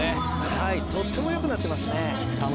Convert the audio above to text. はいとってもよくなってますね